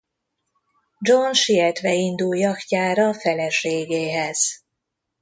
John sietve indul jachtjára feleségéhez.